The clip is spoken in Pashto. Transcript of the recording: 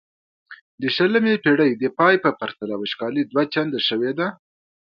د شلمې پیړۍ د پای په پرتله وچکالي دوه چنده شوې ده.